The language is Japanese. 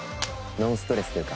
ノンストレスというか。